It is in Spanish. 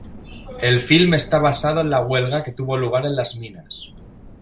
El film está basado en la huelga que tuvo lugar en las minas.